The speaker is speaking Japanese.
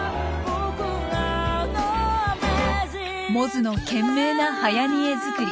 モズの懸命なはやにえ作り。